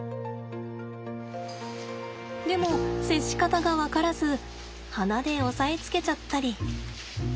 でも接し方が分からず鼻で押さえつけちゃったり。